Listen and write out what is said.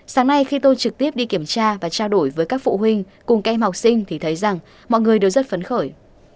sáng nay khi tôi trực tiếp đi kiểm tra và trao đổi với các phụ huynh cùng các em học sinh thì thấy rằng mọi người đều rất phấn khởi